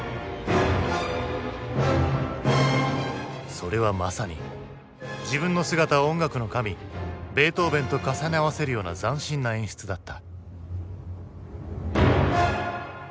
それはまさに自分の姿を音楽の神ベートーヴェンと重ね合わせるような斬新な演出だった。